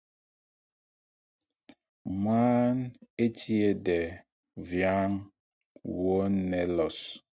Mwân ɛ tí ɛɗɛ vyǎŋ won nɛ lɔs.